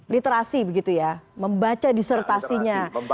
literasi begitu ya membaca disertasinya